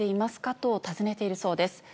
と尋ねているそうです。